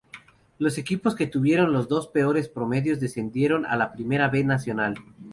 Los equipos que tuvieron los dos peores promedios descendieron a la Primera B Nacional.